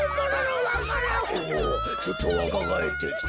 おおちょっとわかがえってきた。